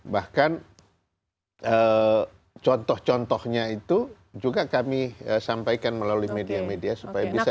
bahkan contoh contohnya itu juga kami sampaikan melalui media media supaya bisa